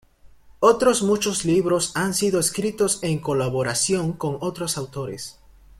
Otros muchos libros han sido escritos en colaboración con otros autores.